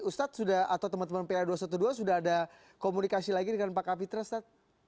ustadz atau teman teman pa dua ratus dua belas sudah ada komunikasi lagi dengan pak kapitra ustadz